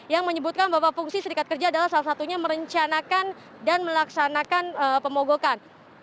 yang menyebutkan bahwa fungsi serikat kerja adalah salah satunya merencanakan dan melaksanakan pemogokan